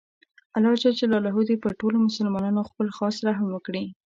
الله ﷻ دې پر ټولو مسلماناتو خپل خاص رحم وکړي